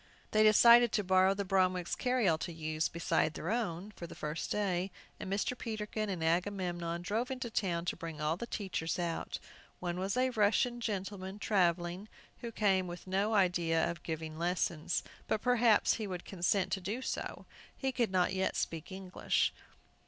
They decided to borrow the Bromwicks' carryall to use, beside their own, for the first day, and Mr. Peterkin and Agamemnon drove into town to bring all the teachers out. One was a Russian gentleman, travelling, who came with no idea of giving lessons, but perhaps he would consent to do so. He could not yet speak English.